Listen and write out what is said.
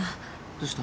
どうした？